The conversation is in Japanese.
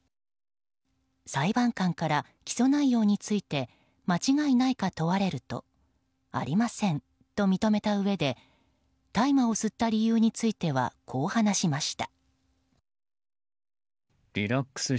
裁判官から起訴内容について間違いないか問われるとありませんと認めたうえで大麻を吸った理由についてはこう話しました。